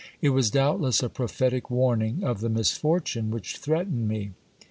It was doubtless a prophetic warning of the misfortune which threatened me.